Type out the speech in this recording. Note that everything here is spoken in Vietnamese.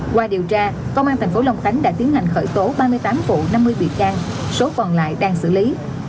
qua điều tra công an thành phố long khánh đã tiến hành khởi tố ba mươi tám vụ năm mươi biệt can số còn lại đang xử lý